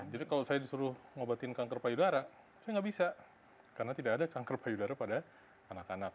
kalau saya disuruh ngobatin kanker payudara saya nggak bisa karena tidak ada kanker payudara pada anak anak